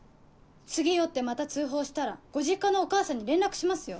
次酔ってまた通報したらご実家のお母さんに連絡しますよ。